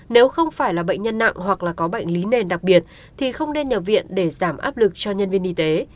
nếu không phải là bệnh nhân nặng hoặc là có bệnh lý nền đặc biệt thì không nên nhập viện để giảm áp lực cho nhân viên y tế